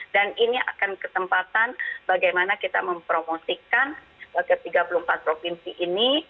dan ini akan ketempatan bagaimana kita mempromosikan tiga puluh empat provinsi ini